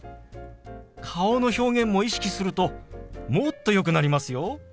顔の表現も意識するともっとよくなりますよ。